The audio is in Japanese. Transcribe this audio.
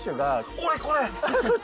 俺、これ。